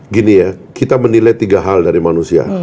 gini ya kita menilai tiga hal dari manusia